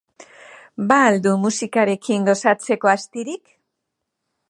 Ba al du musikarekin gozatzeko astirik?